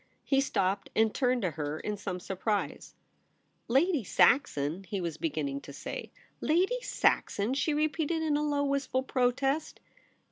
He stopped and turned to her in some surprise. * Lady Saxon ' he was beginning to say. ' Lady Saxon !' she repeated in low wist ful protest.